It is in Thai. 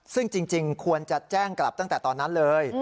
ซึ่งจริงควรจะแจ้งกลับตั้งแต่ตอนนั้นเลย